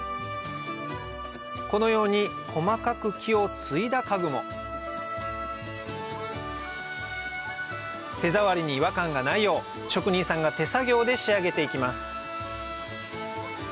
このように細かく木を接いだ家具も手触りに違和感がないよう職人さんが手作業で仕上げていきます